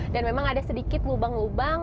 dan memang ada sedikit lubang lubang